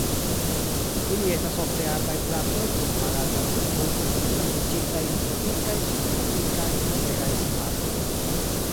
Ili estas ofte arbaj plantoj kun malalta trunko, disvastiĝintaj en tropikaj, subtropikaj, moderaj klimatoj.